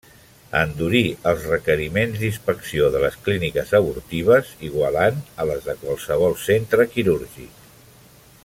Endurir els requeriments d'inspecció de les clíniques abortives, igualant a les de qualsevol centre quirúrgic.